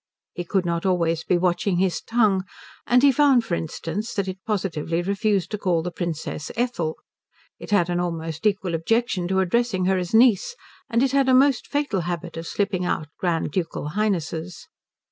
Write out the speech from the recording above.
He could not always be watching his tongue, and he found for instance that it positively refused to call the Princess Ethel. It had an almost equal objection to addressing her as niece; and it had a most fatal habit of slipping out Grand Ducal Highnesses.